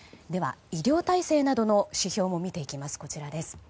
では、医療体制などの指標を見ていきます。